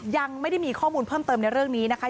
ยังไม่ได้มีข้อมูลเพิ่มเติมในเรื่องนี้นะคะ